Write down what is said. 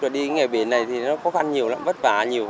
đi nghề biển này thì nó khó khăn nhiều lắm vất vả nhiều